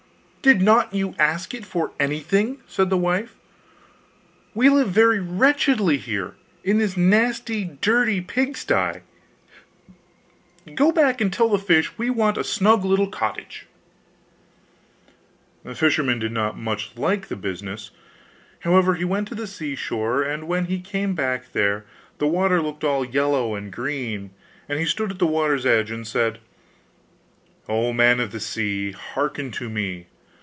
'Did not you ask it for anything?' said the wife, 'we live very wretchedly here, in this nasty dirty pigsty; do go back and tell the fish we want a snug little cottage.' The fisherman did not much like the business: however, he went to the seashore; and when he came back there the water looked all yellow and green. And he stood at the water's edge, and said: 'O man of the sea! Hearken to me!